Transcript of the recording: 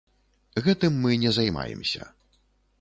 Гэтым мы не займаемся.